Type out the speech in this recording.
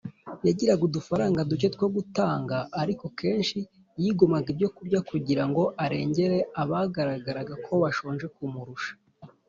. Yagiraga udufaranga duke two gutanga, ariko kenshi Yigomwaga ibyo kurya kugira ngo arengere abagaragaraga ko bashonje kumurusha